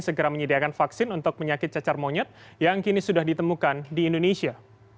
segera menyediakan vaksin untuk penyakit cacar monyet yang kini sudah ditemukan di indonesia